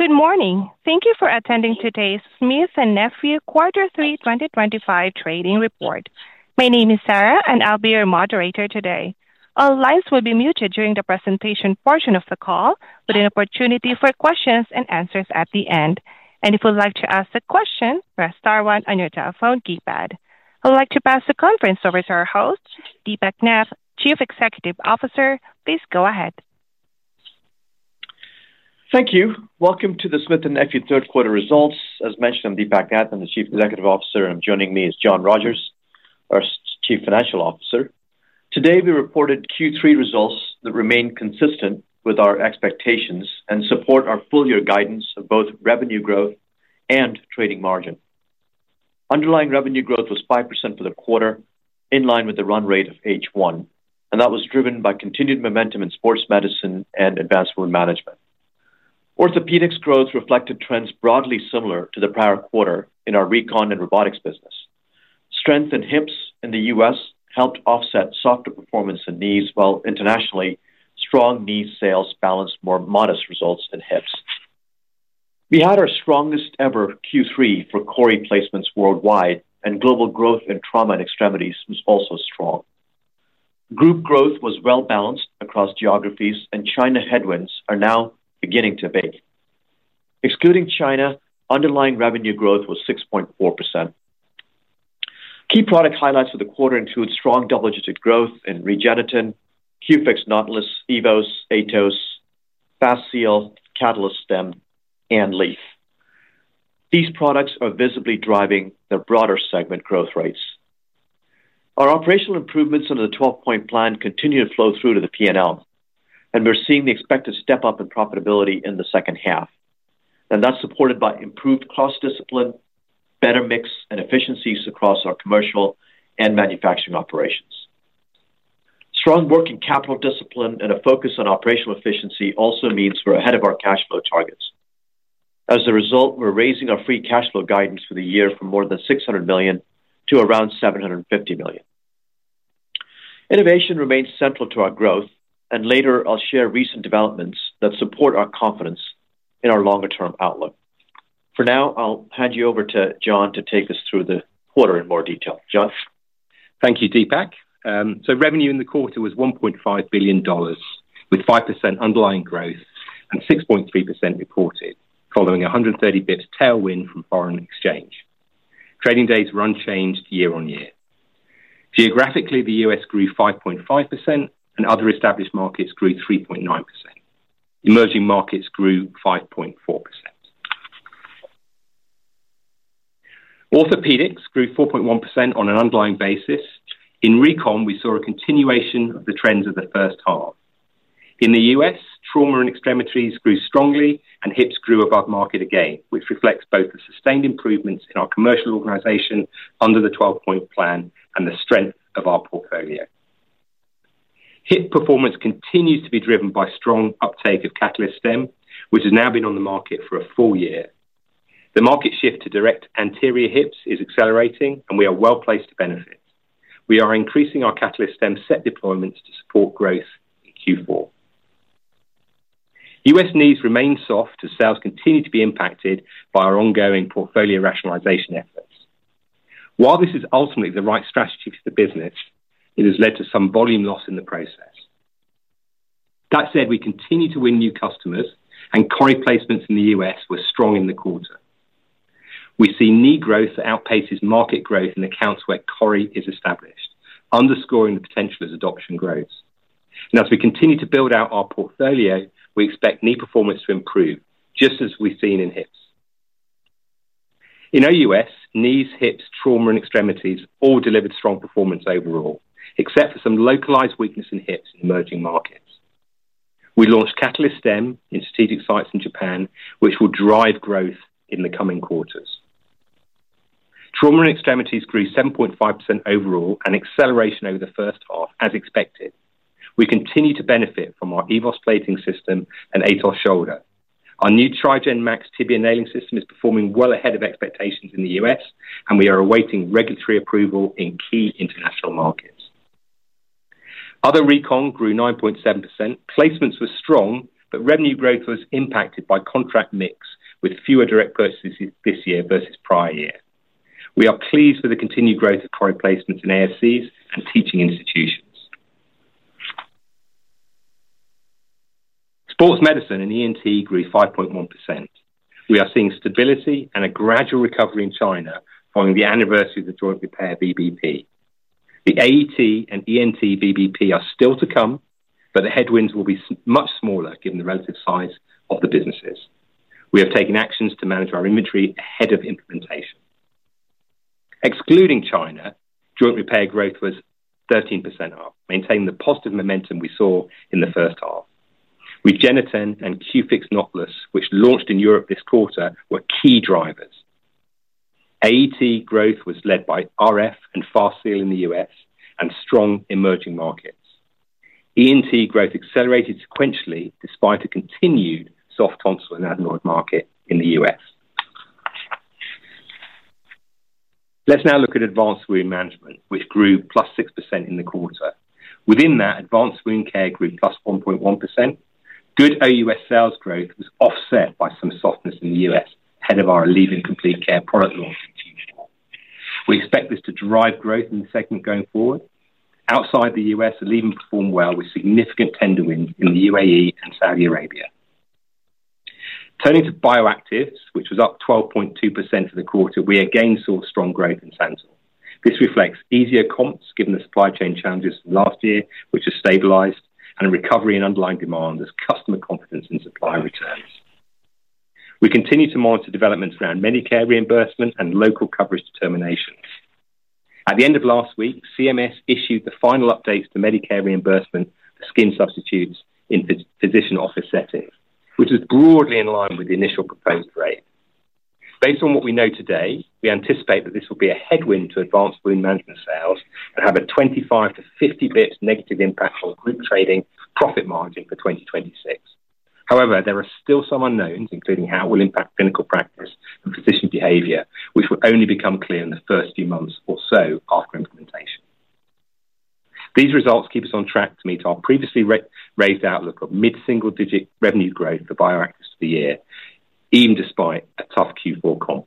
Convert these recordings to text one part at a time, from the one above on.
Good morning. Thank you for attending today's Smith & Nephew Quarter 3, 2025 trading report. My name is Sarah, and I'll be your moderator today. All lines will be muted during the presentation portion of the call, with an opportunity for questions and answers at the end. If you'd like to ask a question, press star one on your telephone keypad. I'd like to pass the conference over to our host, Deepak Nath, Chief Executive Officer. Please go ahead. Thank you. Welcome to the Smith & Nephew third quarter results. As mentioned, I'm Deepak Nath. I'm the Chief Executive Officer, and joining me is John Rogers, our Chief Financial Officer. Today, we reported Q3 results that remain consistent with our expectations and support our full year guidance of both revenue growth and trading margin. Underlying revenue growth was 5% for the quarter, in line with the run rate of H1, and that was driven by continued momentum in sports medicine and advanced wound management. Orthopedics growth reflected trends broadly similar to the prior quarter in our recon and robotics business. Strength in hips in the U.S. helped offset softer performance in knees, while internationally, strong knee sales balanced more modest results in hips. We had our strongest ever Q3 for core replacements worldwide, and global growth in trauma and extremities was also strong. Group growth was well balanced across geographies, and China headwinds are now beginning to abate. Excluding China, underlying revenue growth was 6.4%. Key product highlights for the quarter include strong double-digit growth in Regeniten, Q-Fix [Nautilus,] Evos, Atos, Fastseal, Catalyst Stem, and Leaf. These products are visibly driving the broader segment growth rates. Our operational improvements under the 12-point plan continue to flow through to the P&L, and we're seeing the expected step-up in profitability in the second half. That is supported by improved cost discipline, better mix, and efficiencies across our commercial and manufacturing operations. Strong working capital discipline and a focus on operational efficiency also means we're ahead of our cash flow targets. As a result, we're raising our free cash flow guidance for the year from more than $600 million to around $750 million. Innovation remains central to our growth, and later, I'll share recent developments that support our confidence in our longer-term outlook. For now, I'll hand you over to John to take us through the quarter in more detail. John. Thank you, Deepak. Revenue in the quarter was $1.5 billion, with 5% underlying growth and 6.3% reported, following a 130 basis point tailwind from foreign exchange. Trading days were unchanged year-on-year. Geographically, the U.S. grew 5.5%, and other established markets grew 3.9%. Emerging markets grew 5.4%. Orthopedics grew 4.1% on an underlying basis. In recon, we saw a continuation of the trends of the first half. In the US, trauma and extremities grew strongly, and hips grew above market again, which reflects both the sustained improvements in our commercial organization under the 12-point plan and the strength of our portfolio. Hip performance continues to be driven by strong uptake of Catalyst Stem, which has now been on the market for a full year. The market shift to direct anterior hips is accelerating, and we are well placed to benefit. We are increasing our Catalyst Stem set deployments to support growth in Q4. U.S. knees remain soft as sales continue to be impacted by our ongoing portfolio rationalization efforts. While this is ultimately the right strategy for the business, it has led to some volume loss in the process. That said, we continue to win new customers, and core replacements in the U.S. were strong in the quarter. We see knee growth outpaces market growth in accounts where core is established, underscoring the potential as adoption grows. As we continue to build out our portfolio, we expect knee performance to improve, just as we've seen in hips. In our U.S., knees, hips, trauma, and extremities all delivered strong performance overall, except for some localized weakness in hips in emerging markets. We launched Catalyst Stem in strategic sites in Japan, which will drive growth in the coming quarters. Trauma and extremities grew 7.5% overall, an acceleration over the first half, as expected. We continue to benefit from our Evos plating system and Atos shoulder. Our new Trigen Max tibia nailing system is performing well ahead of expectations in the U.S., and we are awaiting regulatory approval in key international markets. Other recon grew 9.7%. Placements were strong, but revenue growth was impacted by contract mix, with fewer direct purchases this year versus prior year. We are pleased with the continued growth of core replacements in ASCs and teaching institutions. Sports medicine and ENT grew 5.1%. We are seeing stability and a gradual recovery in China following the anniversary of the joint repair VBP. The AET and ENT VBP are still to come, but the headwinds will be much smaller given the relative size of the businesses. We have taken actions to manage our inventory ahead of implementation. Excluding China, joint repair growth was 13%, maintaining the positive momentum we saw in the first half. Regeniten and Q-Fix Nautilus, which launched in Europe this quarter, were key drivers. AET growth was led by RF and Fastseal in the U.S. and strong emerging markets. ENT growth accelerated sequentially despite a continued soft console and adenoid market in the US. Let's now look at Advanced Wound Management, which grew +6% in the quarter. Within that, advanced wound care grew +1.1%. Good OUS sales growth was offset by some softness in the U.S. ahead of our Alevi Complete Care product launch in Q4. We expect this to drive growth in the segment going forward. Outside the US, Alevi performed well with significant tender wins in the UAE and Saudi Arabia. Turning to Bioactives, which was up 12.2% for the quarter, we again saw strong growth in Santal. This reflects easier comps given the supply chain challenges from last year, which have stabilized, and recovery in underlying demand as customer confidence in supply returns. We continue to monitor developments around Medicare reimbursement and local coverage determination. At the end of last week, CMS issued the final updates to Medicare reimbursement for skin substitutes in physician office settings, which was broadly in line with the initial proposed rate. Based on what we know today, we anticipate that this will be a headwind to Advanced Wound Management sales and have a 25-50 basis point negative impact on group trading profit margin for 2026. However, there are still some unknowns, including how it will impact clinical practice and physician behavior, which will only become clear in the first few months or so after implementation. These results keep us on track to meet our previously raised outlook of mid-single-digit revenue growth for Bioactives for the year, even despite a tough Q4 comp.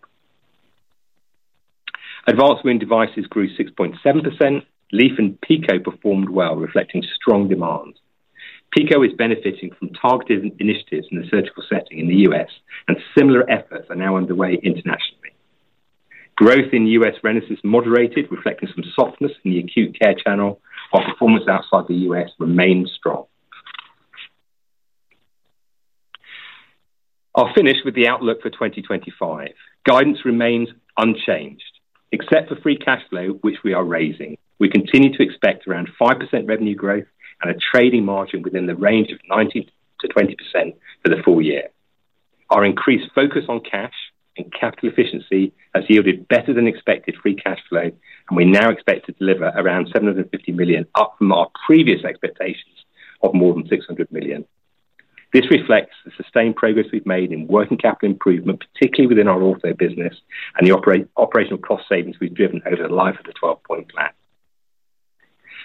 Advanced wound devices grew 6.7%. Leaf and PICO performed well, reflecting strong demand. PICO is benefiting from targeted initiatives in the surgical setting in the U.S., and similar efforts are now underway internationally. Growth in U.S. Reniten is moderated, reflecting some softness in the acute care channel, while performance outside the U.S. remains strong. I'll finish with the outlook for 2025. Guidance remains unchanged, except for free cash flow, which we are raising. We continue to expect around 5% revenue growth and a trading margin within the range of 19%-20% for the full year. Our increased focus on cash and capital efficiency has yielded better-than-expected free cash flow, and we now expect to deliver around $750 million, up from our previous expectations of more than $600 million. This reflects the sustained progress we've made in working capital improvement, particularly within our ortho business, and the operational cost savings we've driven over the life of the 12-point plan.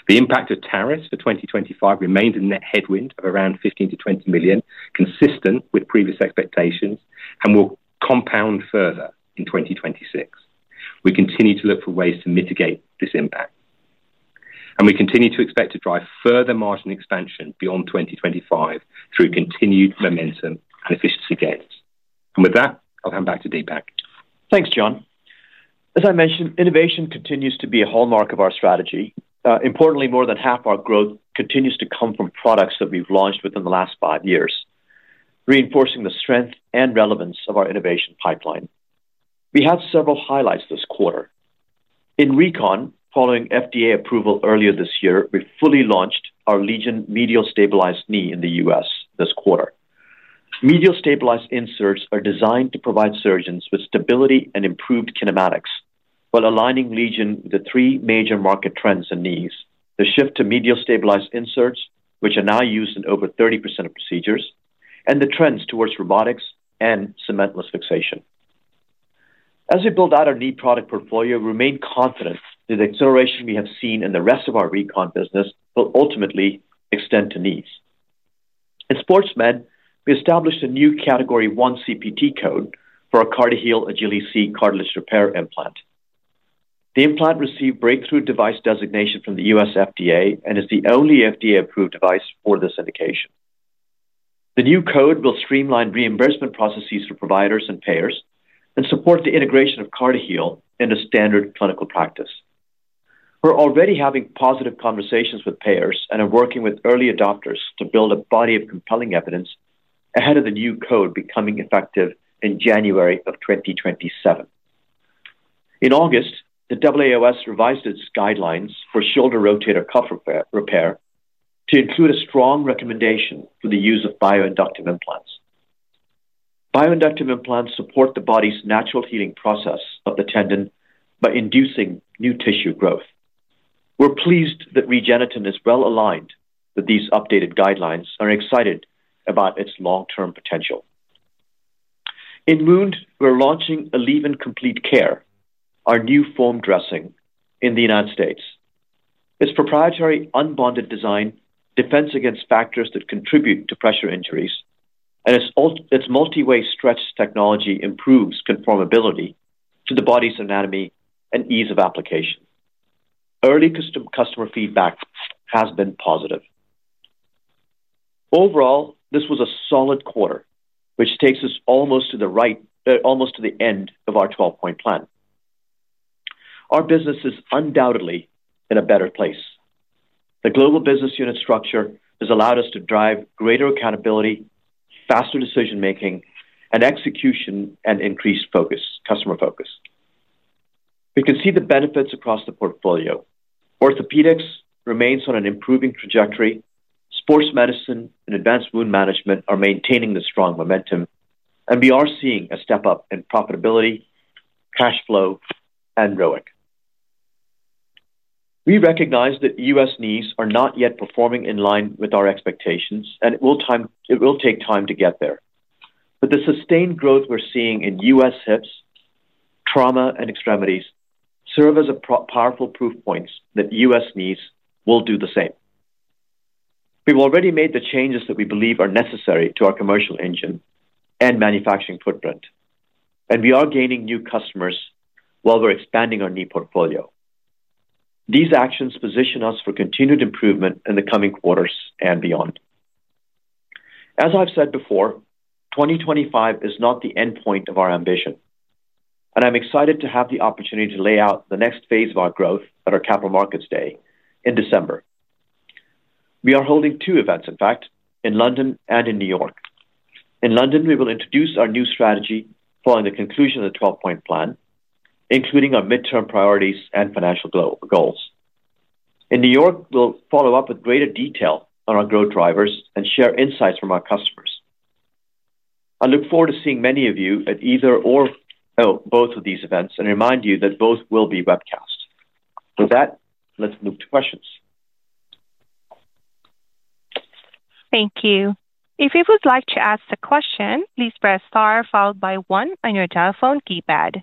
The impact of tariffs for 2025 remains a net headwind of around $15 million-$20 million, consistent with previous expectations, and will compound further in 2026. We continue to look for ways to mitigate this impact. We continue to expect to drive further margin expansion beyond 2025 through continued momentum and efficiency gains. With that, I'll hand back to Deepak. Thanks, John. As I mentioned, innovation continues to be a hallmark of our strategy. Importantly, more than half our growth continues to come from products that we've launched within the last five years, reinforcing the strength and relevance of our innovation pipeline. We have several highlights this quarter. In recon, following FDA approval earlier this year, we fully launched our Legion medial stabilized knee in the U.S. this quarter. Medial stabilized inserts are designed to provide surgeons with stability and improved kinematics while aligning Legion with the three major market trends in knees, the shift to medial stabilized inserts, which are now used in over 30% of procedures, and the trends towards robotics and cementless fixation. As we build out our knee product portfolio, we remain confident that the acceleration we have seen in the rest of our recon business will ultimately extend to knees. In sports med, we established a new category 1 CPT code for a Cardioheel Agili C cartilage repair implant. The implant received breakthrough device designation from the U.S. FDA and is the only FDA-approved device for this indication. The new code will streamline reimbursement processes for providers and payers and support the integration of Cardioheel into standard clinical practice. We're already having positive conversations with payers and are working with early adopters to build a body of compelling evidence ahead of the new code becoming effective in January of 2027. In August, the AAOS revised its guidelines for shoulder rotator cuff repair to include a strong recommendation for the use of bioinductive implants. Bioinductive implants support the body's natural healing process of the tendon by inducing new tissue growth. We're pleased that Regeniten is well aligned with these updated guidelines and are excited about its long-term potential. In wound, we're launching Alevi Complete Care, our new foam dressing in the United States. Its proprietary unbonded design defends against factors that contribute to pressure injuries, and its multi-way stretch technology improves conformability to the body's anatomy and ease of application. Early customer feedback has been positive. Overall, this was a solid quarter, which takes us almost to the end of our 12-point plan. Our business is undoubtedly in a better place. The global business unit structure has allowed us to drive greater accountability, faster decision-making, and execution and increased customer focus. We can see the benefits across the portfolio. Orthopedics remains on an improving trajectory. Sports medicine and advanced wound management are maintaining the strong momentum, and we are seeing a step-up in profitability, cash flow, and ROIC. We recognize that U.S. knees are not yet performing in line with our expectations, and it will take time to get there. The sustained growth we're seeing in U.S. hips, trauma, and extremities serve as powerful proof points that U.S. knees will do the same. We've already made the changes that we believe are necessary to our commercial engine and manufacturing footprint, and we are gaining new customers while we're expanding our knee portfolio. These actions position us for continued improvement in the coming quarters and beyond. As I've said before, 2025 is not the endpoint of our ambition, and I'm excited to have the opportunity to lay out the next phase of our growth at our capital markets day in December. We are holding two events, in fact, in London and in New York. In London, we will introduce our new strategy following the conclusion of the 12-point plan, including our midterm priorities and financial goals. In New York, we'll follow up with greater detail on our growth drivers and share insights from our customers. I look forward to seeing many of you at either or both of these events and remind you that both will be webcast. With that, let's move to questions. Thank you. If you would like to ask a question, please press star followed by one on your telephone keypad.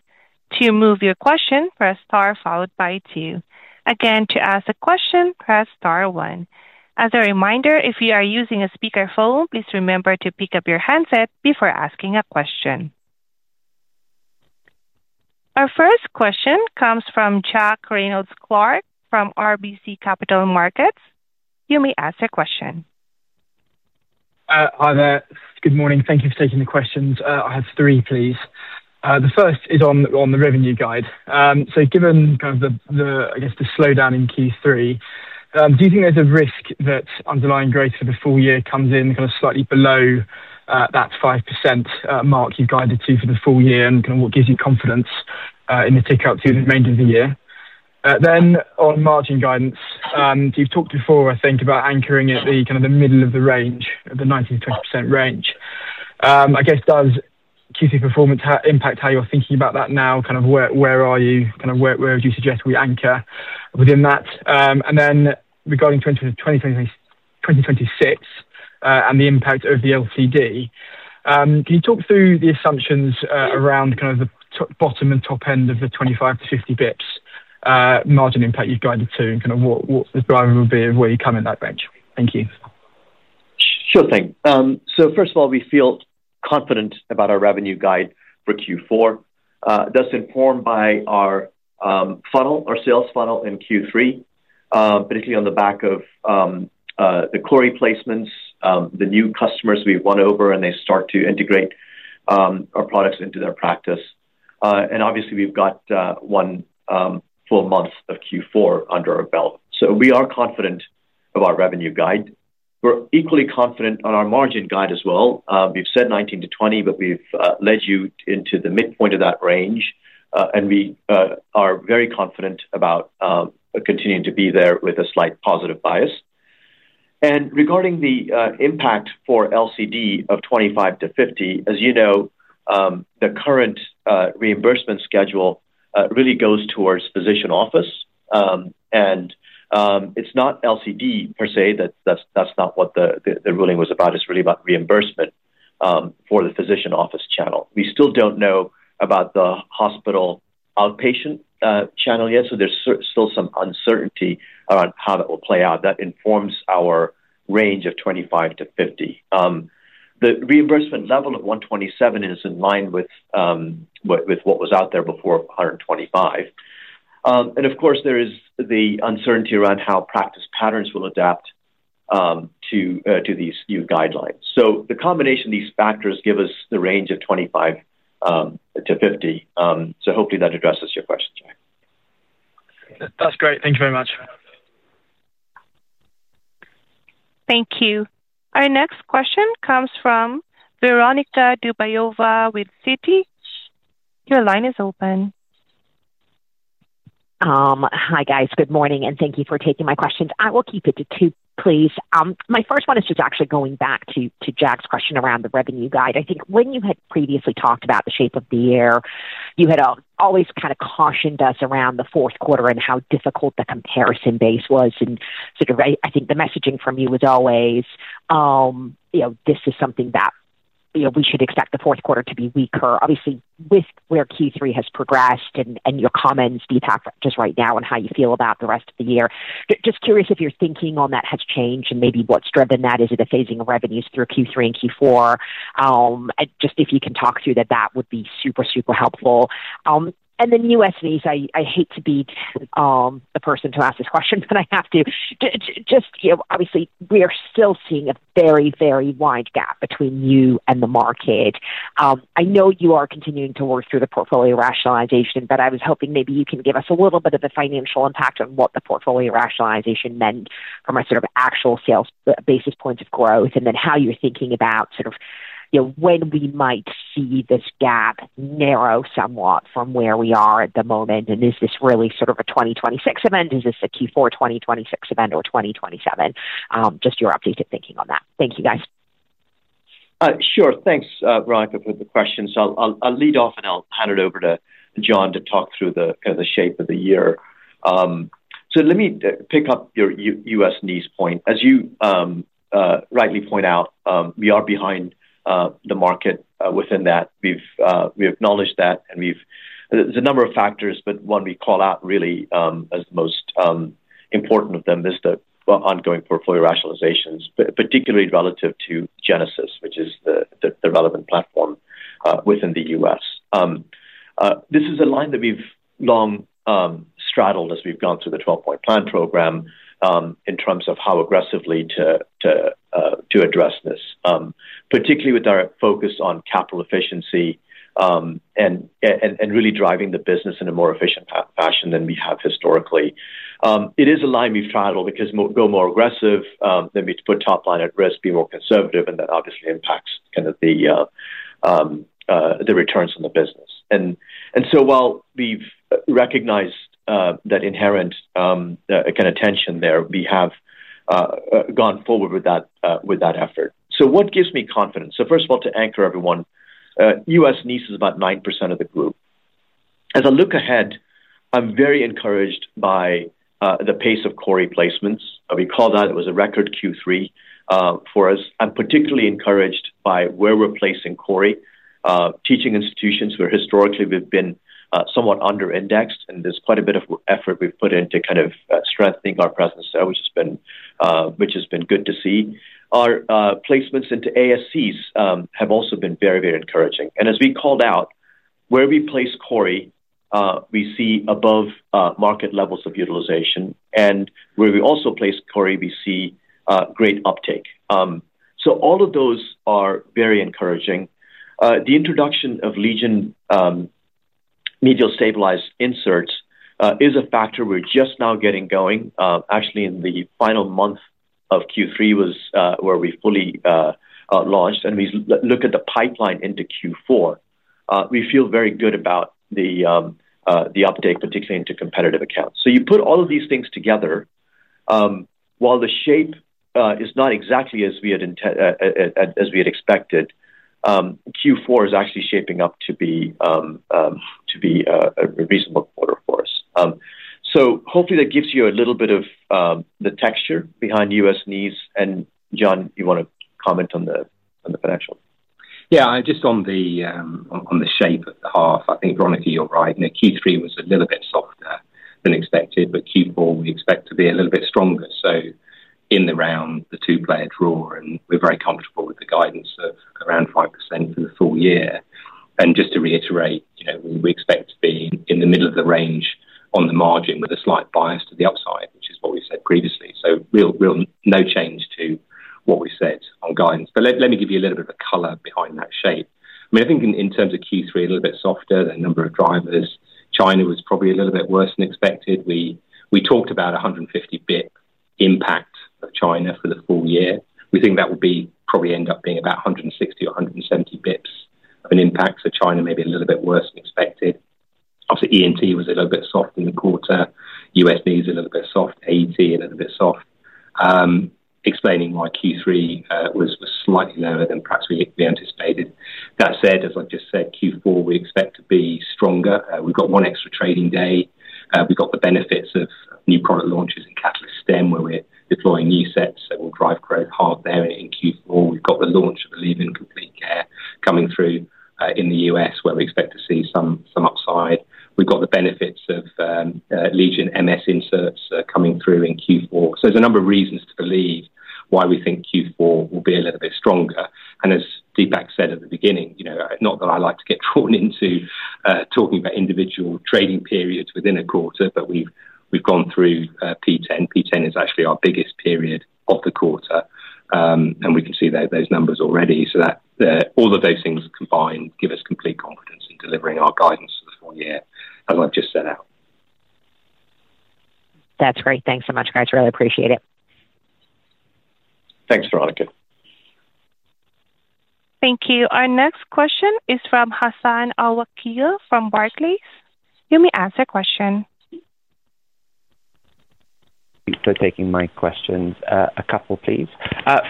To move your question, press star followed by two. Again, to ask a question, press star one. As a reminder, if you are using a speakerphone, please remember to pick up your handset before asking a question. Our first question comes from Jack Reynolds Clark from RBC Capital Markets. You may ask your question. Hi there. Good morning. Thank you for taking the questions. I have three, please. The first is on the revenue guide. So given kind of the, I guess, the slowdown in Q3, do you think there's a risk that underlying growth for the full year comes in kind of slightly below that 5% mark you've guided to for the full year and kind of what gives you confidence in the tick-up through the remainder of the year? Then on margin guidance, you've talked before, I think, about anchoring at the kind of middle of the range, the 19%-20% range. I guess, does Q3 performance impact how you're thinking about that now? Kind of where are you? Kind of where would you suggest we anchor within that? And then regarding 2026 and the impact of the LCD. Can you talk through the assumptions around kind of the bottom and top end of the 25-50 basis point margin impact you've guided to and kind of what the driver will be of where you come in that range? Thank you. Sure thing. First of all, we feel confident about our revenue guide for Q4. That is informed by our funnel, our sales funnel in Q3, particularly on the back of the quarry placements, the new customers we have won over, and they start to integrate our products into their practice. Obviously, we have one full month of Q4 under our belt. We are confident of our revenue guide. We are equally confident on our margin guide as well. We have said 19%-20%, but we have led you into the midpoint of that range, and we are very confident about continuing to be there with a slight positive bias. Regarding the impact for LCD of 25-50, as you know, the current reimbursement schedule really goes towards physician office, and it is not LCD per se, that is not what the ruling was about. It is really about reimbursement. For the physician office channel. We still do not know about the hospital outpatient channel yet, so there is still some uncertainty around how that will play out. That informs our range of 25-50. The reimbursement level of $127 is in line with what was out there before, $125. Of course, there is the uncertainty around how practice patterns will adapt to these new guidelines. The combination of these factors gives us the range of 25-50. Hopefully, that addresses your question, Jack. That's great. Thank you very much. Thank you. Our next question comes from Veronika Dubajova with Citi. Your line is open. Hi, guys. Good morning, and thank you for taking my questions. I will keep it to two, please. My first one is just actually going back to Jack's question around the revenue guide. I think when you had previously talked about the shape of the year, you had always kind of cautioned us around the fourth quarter and how difficult the comparison base was. I think the messaging from you was always, "This is something that we should expect the fourth quarter to be weaker." Obviously, with where Q3 has progressed and your comments, Deepak, just right now on how you feel about the rest of the year, just curious if your thinking on that has changed and maybe what has driven that. Is it a phasing of revenues through Q3 and Q4? If you can talk through that, that would be super, super helpful. U.S. knees, I hate to be the person to ask this question, but I have to. Obviously, we are still seeing a very, very wide gap between you and the market. I know you are continuing to work through the portfolio rationalization, but I was hoping maybe you can give us a little bit of the financial impact on what the portfolio rationalization meant from a sort of actual sales basis point of growth and then how you're thinking about sort of when we might see this gap narrow somewhat from where we are at the moment. Is this really sort of a 2026 event? Is this a Q4 2026 event or 2027? Just your updated thinking on that. Thank you, guys. Sure. Thanks, Veronika, for the questions. I'll lead off and I'll hand it over to John to talk through the shape of the year. Let me pick up your U.S. knees point. As you rightly point out, we are behind the market within that. We've acknowledged that. There's a number of factors, but one we call out really as the most important of them is the ongoing portfolio rationalizations, particularly relative to Genesis, which is the relevant platform within the U.S. This is a line that we've long straddled as we've gone through the 12-point plan program. In terms of how aggressively to address this, particularly with our focus on capital efficiency and really driving the business in a more efficient fashion than we have historically. It is a line we've tried because go more aggressive, then we'd put top line at risk, be more conservative, and that obviously impacts kind of the returns on the business. And so while we've recognized that inherent kind of tension there, we have gone forward with that effort. So what gives me confidence? First of all, to anchor everyone, U.S. knees is about 9% of the group. As I look ahead, I'm very encouraged by the pace of core replacements. We call that it was a record Q3 for us. I'm particularly encouraged by where we're placing core, teaching institutions where historically we've been somewhat under-indexed, and there's quite a bit of effort we've put into kind of strengthening our presence there, which has been good to see. Our placements into ASCs have also been very, very encouraging. As we called out, where we place Quarry, we see above market levels of utilization. Where we also place Quarry, we see great uptake. All of those are very encouraging. The introduction of Legion medial stabilized inserts is a factor we are just now getting going. Actually, in the final month of Q3 was where we fully launched, and we look at the pipeline into Q4, we feel very good about the uptake, particularly into competitive accounts. You put all of these things together. While the shape is not exactly as we had expected, Q4 is actually shaping up to be a reasonable quarter for us. Hopefully, that gives you a little bit of the texture behind U.S. knees. John, you want to comment on the financial? Yeah. Just on the shape of the half, I think, Veronika, you are right. Q3 was a little bit softer than expected, but Q4 we expect to be a little bit stronger. In the round, the two play a draw, and we're very comfortable with the guidance of around 5% for the full year. Just to reiterate, we expect to be in the middle of the range on the margin with a slight bias to the upside, which is what we said previously. No change to what we said on guidance. Let me give you a little bit of color behind that shape. I mean, I think in terms of Q3, a little bit softer than a number of drivers. China was probably a little bit worse than expected. We talked about a 150 basis point impact of China for the full year. We think that would probably end up being about 160 or 170 basis points of an impact. China may be a little bit worse than expected. Obviously, ENT was a little bit soft in the quarter. U.S., knees are a little bit soft. AET is a little bit soft. Explaining why Q3 was slightly lower than perhaps we anticipated. That said, as I just said, Q4 we expect to be stronger. We have got one extra trading day. We have got the benefits of new product launches and Catalyst Stem where we are deploying new sets. We will drive growth hard there in Q4. We have got the launch of the Alevi Complete Care coming through in the U.S. where we expect to see some upside. We have got the benefits of Legion MS inserts coming through in Q4. There are a number of reasons to believe why we think Q4 will be a little bit stronger. As Deepak said at the beginning, not that I like to get drawn into talking about individual trading periods within a quarter, but we have gone through P10. P10 is actually our biggest period of the quarter. We can see those numbers already. All of those things combined give us complete confidence in delivering our guidance for the full year, as I have just set out. That's great. Thanks so much, guys. Really appreciate it. Thanks, Veronica. Thank you. Our next question is from Hassan Al-Wakeel from Barclays. You may ask a question. Thanks for taking my questions. A couple, please.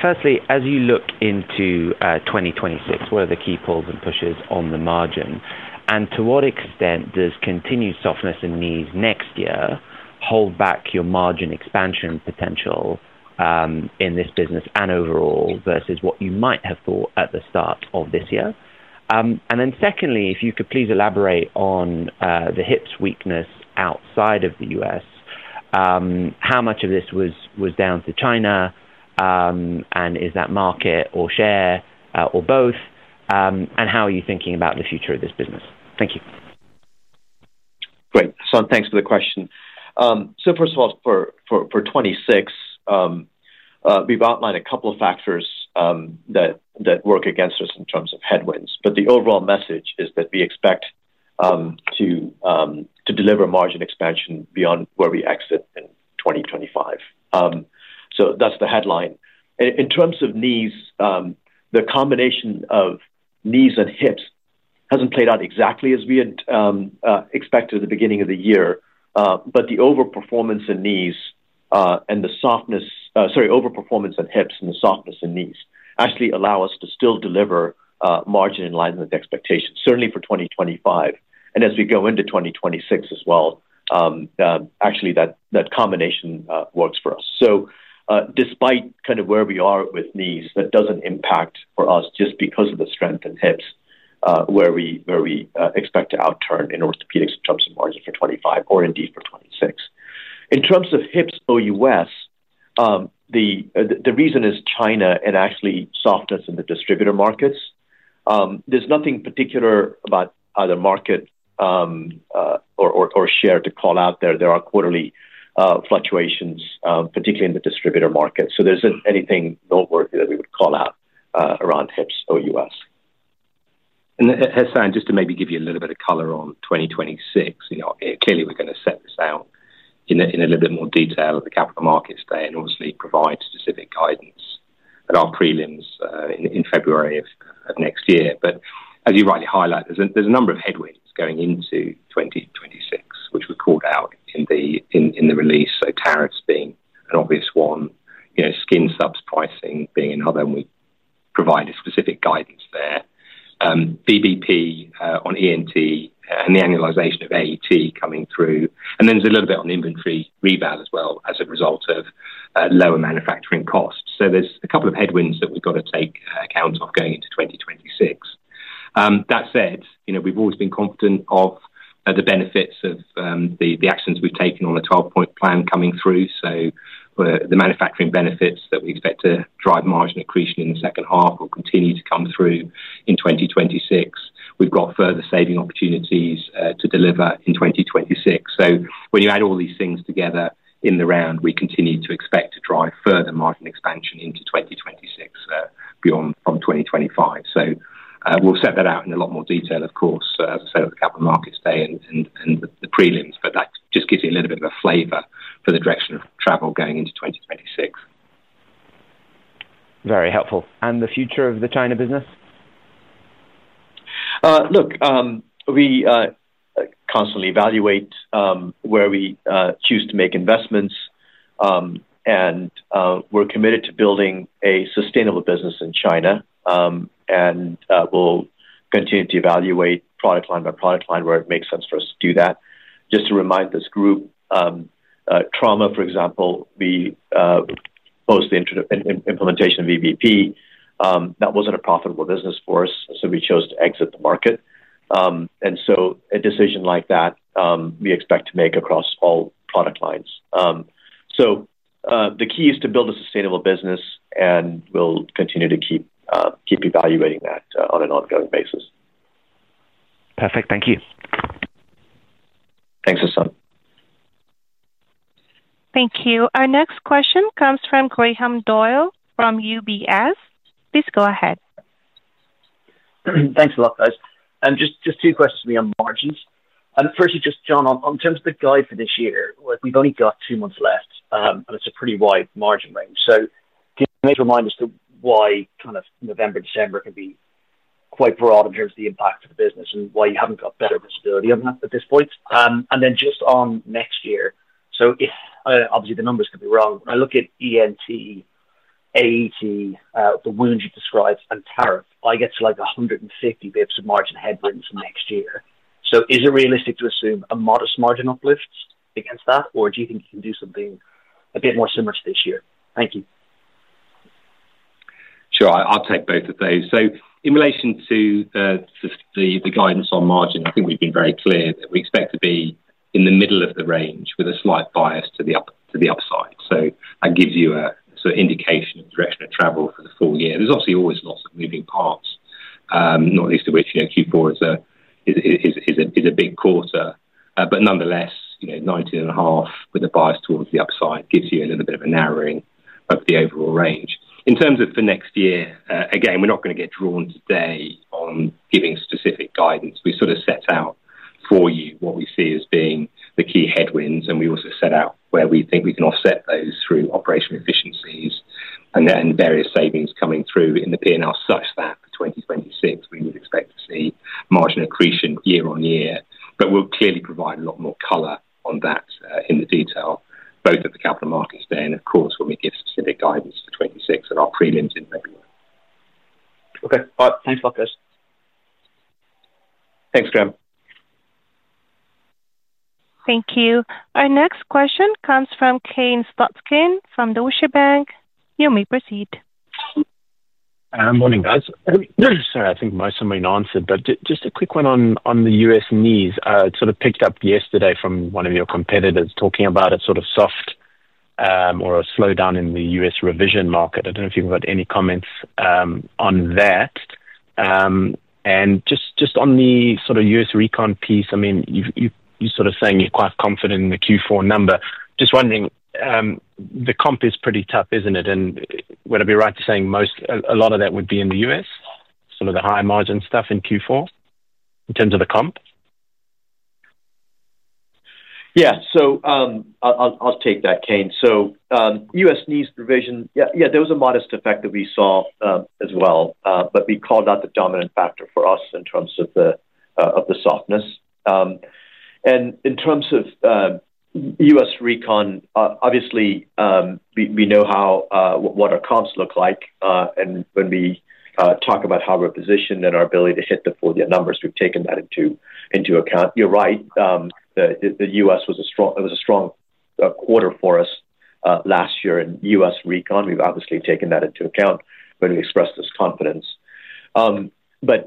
Firstly, as you look into 2026, what are the key pulls and pushes on the margin? To what extent does continued softness in knees next year hold back your margin expansion potential in this business and overall versus what you might have thought at the start of this year? Secondly, if you could please elaborate on the hips weakness outside of the U.S. How much of this was down to China? Is that market or share or both? How are you thinking about the future of this business? Thank you. Great. Hassan, thanks for the question. First of all, for 2026, we've outlined a couple of factors that work against us in terms of headwinds. The overall message is that we expect to deliver margin expansion beyond where we exit in 2025. That's the headline. In terms of knees, the combination of knees and hips hasn't played out exactly as we had expected at the beginning of the year. The overperformance in hips and the softness in knees actually allow us to still deliver margin in line with expectations, certainly for 2025 and as we go into 2026 as well. Actually, that combination works for us. Despite kind of where we are with knees, that does not impact for us just because of the strength in hips where we expect to outturn in orthopedics in terms of margin for 2025 or indeed for 2026. In terms of hips OUS, the reason is China and actually softness in the distributor markets. There is nothing particular about either market or share to call out there. There are quarterly fluctuations, particularly in the distributor market. There is not anything noteworthy that we would call out around hips OUS. Hassan, just to maybe give you a little bit of color on 2026, clearly we are going to set this out in a little bit more detail at the capital markets day and obviously provide specific guidance at our prelims in February of next year. As you rightly highlight, there's a number of headwinds going into 2026, which we called out in the release. Tariffs being an obvious one, skin subs pricing being another, and we provide specific guidance there. VBP on ENT and the annualization of AET coming through. Then there's a little bit on inventory rebound as well as a result of lower manufacturing costs. There's a couple of headwinds that we've got to take account of going into 2026. That said, we've always been confident of the benefits of the actions we've taken on the 12-point plan coming through. The manufacturing benefits that we expect to drive margin accretion in the second half will continue to come through in 2026. We've got further saving opportunities to deliver in 2026. When you add all these things together in the round, we continue to expect to drive further margin expansion into 2026, beyond from 2025. We'll set that out in a lot more detail, of course, as I said, at the capital markets day and the prelims. That just gives you a little bit of a flavor for the direction of travel going into 2026. Very helpful. The future of the China business? Look, we constantly evaluate where we choose to make investments. We're committed to building a sustainable business in China, and we'll continue to evaluate product line by product line where it makes sense for us to do that. Just to remind this group, trauma, for example, post the implementation of VBP, that was not a profitable business for us, so we chose to exit the market. A decision like that we expect to make across all product lines. The key is to build a sustainable business, and we'll continue to keep evaluating that on an ongoing basis. Perfect. Thank you. Thanks, Hassan. Thank you. Our next question comes from Graham Doyle from UBS. Please go ahead. Thanks a lot, guys. Just two questions for me on margins. Firstly, just John, in terms of the guide for this year, we've only got two months left, and it's a pretty wide margin range. Can you maybe remind us why kind of November, December can be quite broad in terms of the impact of the business and why you haven't got better visibility on that at this point? Just on next year, obviously the numbers can be wrong. When I look at ENT, AET, the wounds you described, and tariff, I get to like 150 basis points of margin headwinds next year. Is it realistic to assume a modest margin uplift against that, or do you think you can do something a bit more similar to this year? Thank you. Sure. I'll take both of those. In relation to the guidance on margin, I think we've been very clear that we expect to be in the middle of the range with a slight bias to the upside. That gives you a sort of indication of the direction of travel for the full year. There are obviously always lots of moving parts, not least of which Q4 is a big quarter. Nonetheless, 19 and a half with a bias towards the upside gives you a little bit of a narrowing of the overall range. In terms of for next year, again, we're not going to get drawn today on giving specific guidance. We sort of set out for you what we see as being the key headwinds, and we also set out where we think we can offset those through operational efficiencies and various savings coming through in the P&L such that for 2026, we would expect to see margin accretion year on year. We will clearly provide a lot more color on that in the detail, both at the capital markets day and, of course, when we give specific guidance for 2026 and our prelims in February. Okay. All right. Thanks, Lukas. Thanks, Graham. Thank you. Our next question comes from Kane Slutzkin from Deutsche Bank. You may proceed. Morning, guys. Sorry, I think my summary is answered, but just a quick one on the US knees. It sort of picked up yesterday from one of your competitors talking about a sort of soft, or a slowdown in the U.S. revision market. I don't know if you've got any comments on that. And just on the sort of US recon piece, I mean, you're sort of saying you're quite confident in the Q4 number. Just wondering. The comp is pretty tough, isn't it? And would I be right to saying a lot of that would be in the U.S., sort of the high margin stuff in Q4 in terms of the comp? Yeah. I'll take that, Kane. U.S. knees revision, yeah, there was a modest effect that we saw as well, but we called out the dominant factor for us in terms of the softness. In terms of U.S. recon, obviously, we know what our comps look like. When we talk about how we're positioned and our ability to hit the full year numbers, we've taken that into account. You're right, the U.S. was a strong quarter for us last year in U.S. recon. We've obviously taken that into account when we expressed this confidence.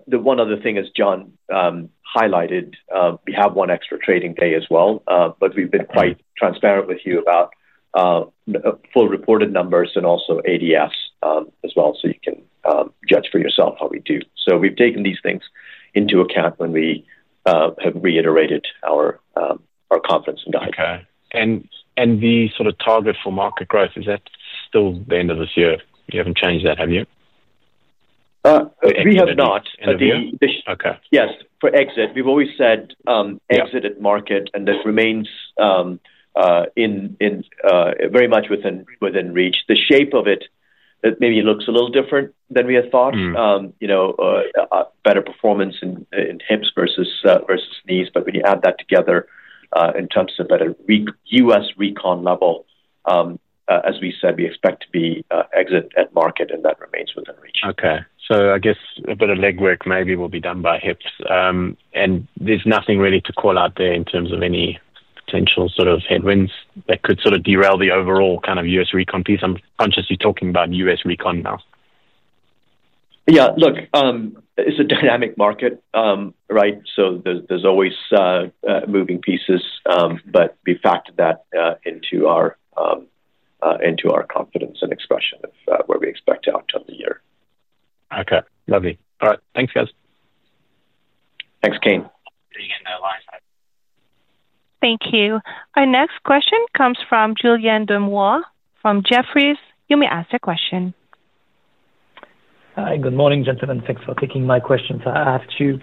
The one other thing is, John highlighted, we have one extra trading day as well, but we've been quite transparent with you about full reported numbers and also ADS as well, so you can judge for yourself how we do. We've taken these things into account when we have reiterated our confidence and guidance. Okay. And the sort of target for market growth, is that still the end of this year? You haven't changed that, have you? We have not. Yes. For exit, we've always said exit at market, and that remains. Very much within reach. The shape of it maybe looks a little different than we had thought. Better performance in hips versus knees. When you add that together in terms of a better U.S. recon level, as we said, we expect to be exit at market, and that remains within reach. Okay. I guess a bit of legwork maybe will be done by hips. There is nothing really to call out there in terms of any potential sort of headwinds that could sort of derail the overall kind of U.S. recon piece. I am consciously talking about U.S. recon now. Yeah. Look, it's a dynamic market, right? So there's always moving pieces, but we factor that into our confidence and expression of where we expect to outturn the year. Okay. Lovely. All right. Thanks, guys. Thanks, Kane. Thank you. Our next question comes from Julien Demois from Jefferies. You may ask a question. Hi. Good morning, gentlemen. Thanks for taking my questions I asked you.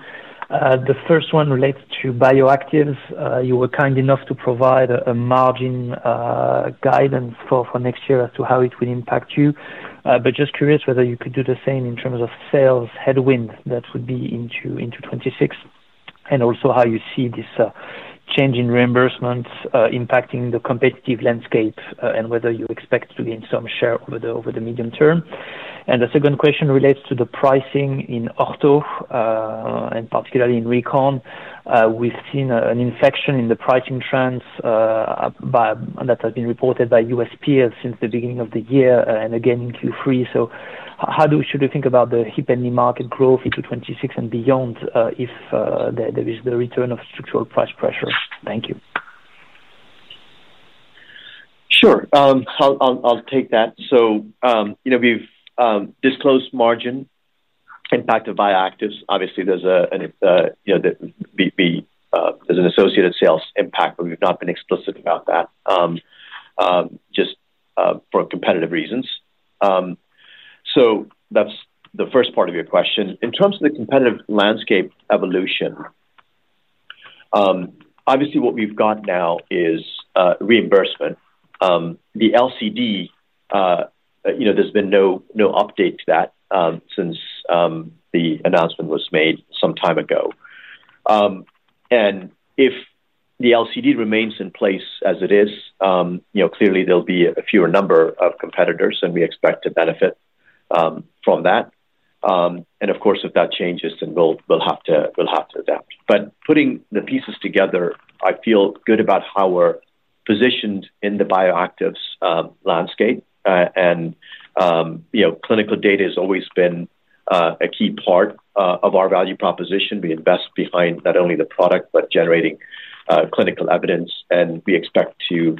The first one relates to Bioactives. You were kind enough to provide a margin guidance for next year as to how it would impact you. Just curious whether you could do the same in terms of sales headwinds that would be into 2026, and also how you see this change in reimbursements impacting the competitive landscape and whether you expect to gain some share over the medium term. The second question relates to the pricing in Ortho, and particularly in Recon. We've seen an inflection in the pricing trends that has been reported by USPS since the beginning of the year and again in Q3. How should we think about the hip and knee market growth into 2026 and beyond if there is the return of structural price pressure? Thank you. Sure. I'll take that. We've disclosed margin impact of bioactives. Obviously, there's an associated sales impact, but we've not been explicit about that just for competitive reasons. That's the first part of your question. In terms of the competitive landscape evolution, obviously, what we've got now is reimbursement, the LCD. There's been no update to that since the announcement was made some time ago. If the LCD remains in place as it is, clearly there'll be a fewer number of competitors, and we expect to benefit from that. If that changes, then we'll have to adapt. Putting the pieces together, I feel good about how we're positioned in the bioactives landscape. Clinical data has always been a key part of our value proposition. We invest behind not only the product, but generating clinical evidence, and we expect to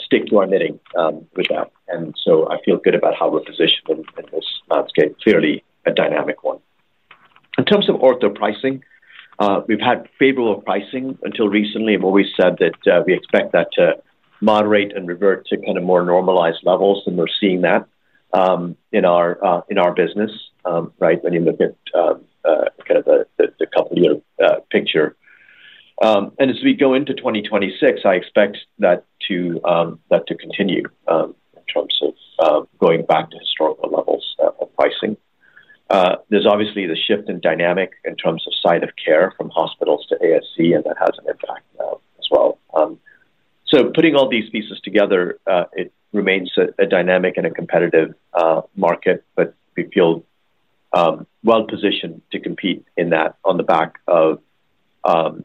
stick to our knitting with that. I feel good about how we're positioned in this landscape, clearly a dynamic one. In terms of ortho pricing, we've had favorable pricing until recently. I've always said that we expect that to moderate and revert to kind of more normalized levels, and we're seeing that. In our business, right, when you look at kind of the couple-year picture. As we go into 2026, I expect that to continue in terms of going back to historical levels of pricing. There's obviously the shift in dynamic in terms of site of care from hospitals to ASC, and that has an impact as well. Putting all these pieces together, it remains a dynamic and a competitive market, but we feel well positioned to compete in that on the back of the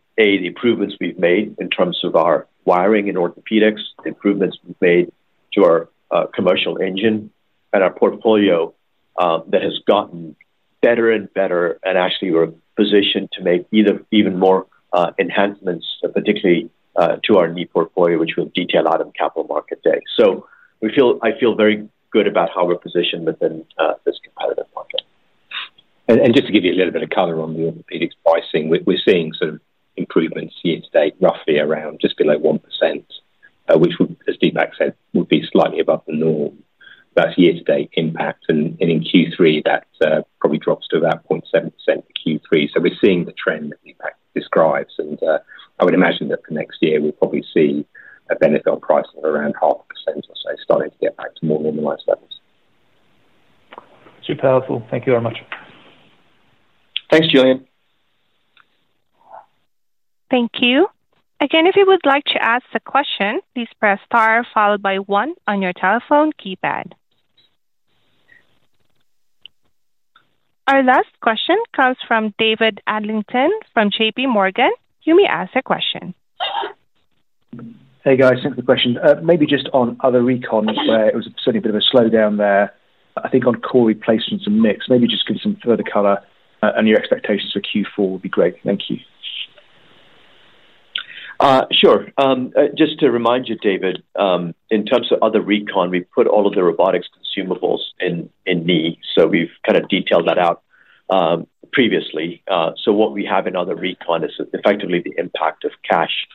improvements we've made in terms of our wiring in orthopedics, the improvements we've made to our commercial engine, and our portfolio that has gotten better and better. Actually, we're positioned to make even more enhancements, particularly to our knee portfolio, which we'll detail out in capital market day. I feel very good about how we're positioned within this competitive market. Just to give you a little bit of color on the orthopedics pricing, we're seeing sort of improvements year to date, roughly around just below 1%. Which, as Deepak said, would be slightly above the norm. That's year-to-date impact. In Q3, that probably drops to about 0.7% in Q3. We're seeing the trend that Deepak describes.I would imagine that for next year, we'll probably see a benefit on price of around 0.5% or so, starting to get back to more normalized levels. Super helpful. Thank you very much. Thanks, Julien. Thank you. Again, if you would like to ask a question, please press star followed by one on your telephone keypad. Our last question comes from David Adlington from JP Morgan. You may ask a question. Hey, guys. Thanks for the question. Maybe just on other recon where it was certainly a bit of a slowdown there, I think on core replacements and mix, maybe just give some further color and your expectations for Q4 would be great. Thank you. Sure. Just to remind you, David. In terms of other recon, we put all of the robotics consumables in knee. So we have kind of detailed that out previously. What we have in other recon is effectively the impact of cash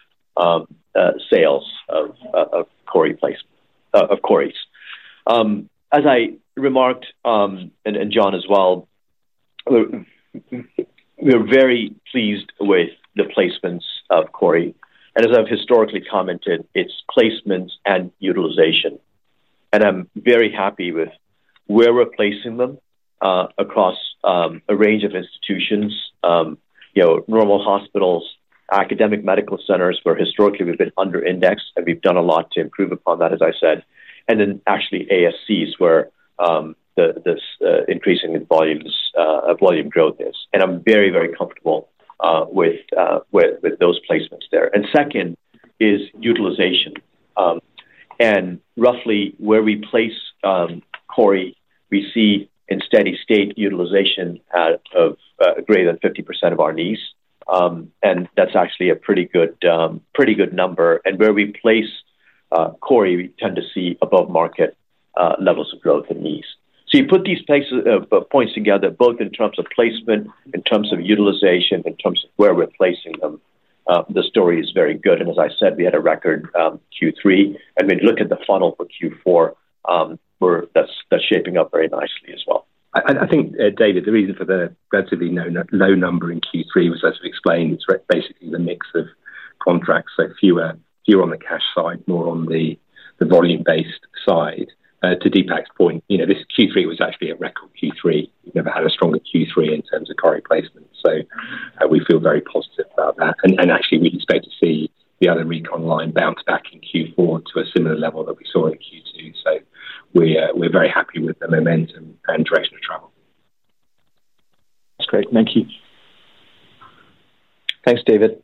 sales of core replacements. As I remarked, and John as well, we are very pleased with the placements of core. As I have historically commented, it is placements and utilization. I am very happy with where we are placing them across a range of institutions: normal hospitals, academic medical centers where historically we have been under-indexed, and we have done a lot to improve upon that, as I said. Actually, ASCs, where the increasing volume growth is, I am very, very comfortable with those placements there. Second is utilization, and roughly where we place core, we see in steady state utilization of greater than 50% of our knees. That's actually a pretty good number. Where we place core, we tend to see above-market levels of growth in knees. You put these points together, both in terms of placement, in terms of utilization, in terms of where we're placing them, the story is very good. As I said, we had a record Q3. When you look at the funnel for Q4, that's shaping up very nicely as well. I think, David, the reason for the relatively low number in Q3 was, as we explained, it's basically the mix of contracts. Fewer on the cash side, more on the volume-based side. To Deepak's point, this Q3 was actually a record Q3. We've had a stronger Q3 in terms of core replacements. We feel very positive about that. Actually, we expect to see the other recon line bounce back in Q4 to a similar level that we saw in Q2. We are very happy with the momentum and direction of travel. That's great. Thank you. Thanks, David.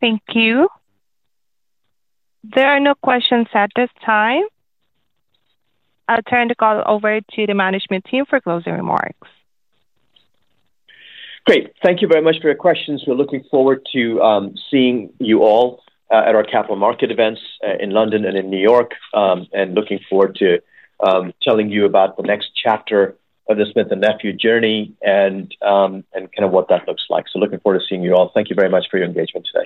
Thank you. There are no questions at this time. I'll turn the call over to the management team for closing remarks. Great. Thank you very much for your questions. We're looking forward to seeing you all at our capital market events in London and in New York, and looking forward to telling you about the next chapter of the Smith & Nephew journey and kind of what that looks like. Looking forward to seeing you all. Thank you very much for your engagement today.